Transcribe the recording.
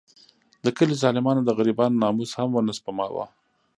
د کلي ظالمانو د غریبانو ناموس هم ونه سپماوه.